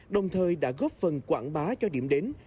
đồng thời đã góp phần quảng bá cho điểm đến